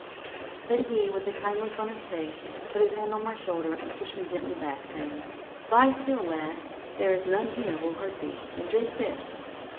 But he, with a kind look on his face, put his hand on my shoulder, and pushed me gently back, saying 'Lie still, lad, there is none here will hurt thee, and drink this.'